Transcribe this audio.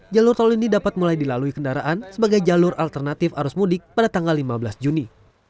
jalur tol ini dapat mulai dilalui kendaraan sebagai jalur alternatif arus mudik pada tanggal lima belas juni